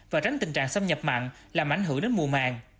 và tránh tình trạng xâm nhập mặn làm ảnh hưởng đến mùa màng